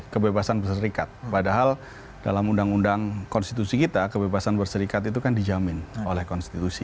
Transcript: kebebasan berserikat padahal dalam undang undang konstitusi kita kebebasan berserikat itu kan dijamin oleh konstitusi